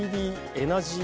エナジー